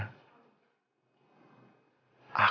aku akan menangkan elsa